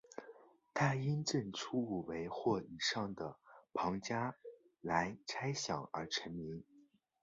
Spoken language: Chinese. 他因证出五维或以上的庞加莱猜想而成名。